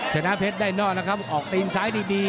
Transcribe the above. ชนะเพชรได้นอกแล้วครับออกตีนซ้ายดี